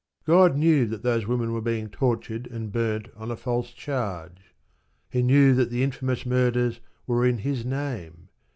God knew that those women were being tortured and burnt on a false charge. He knew that the infamous murders were in His name.